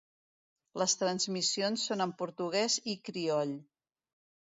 Les transmissions són en portuguès i crioll.